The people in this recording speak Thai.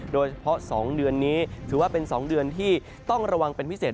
โดยเฉพาะ๒เดือนนี้ถือว่าเป็น๒เดือนที่ต้องระวังเป็นพิเศษ